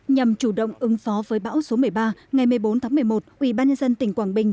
nhằm chủ động ứng phó với bão số một mươi ba ngày một mươi bốn tháng một mươi một ubnd tỉnh quảng bình